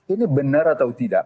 ini benar atau tidak